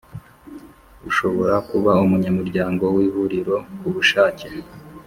ushobora kuba umunyamuryango w Ihuriro kubushake